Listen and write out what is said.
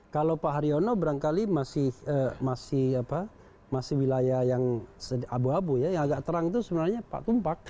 kalau pak haryono berangkali masih wilayah yang abu abu ya yang agak terang itu sebenarnya pak tumpak